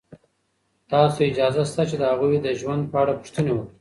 تاسو ته اجازه شته چې د هغوی د ژوند په اړه پوښتنې وکړئ.